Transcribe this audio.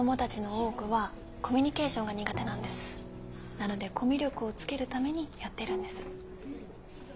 なのでコミュ力をつけるためにやってるんです。